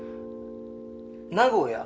名古屋？